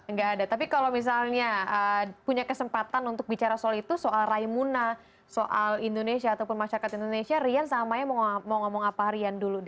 enggak ada tapi kalau misalnya punya kesempatan untuk bicara soal itu soal rai munas soal indonesia ataupun masyarakat indonesia rian sama maya mau ngomong apa rian dulu deh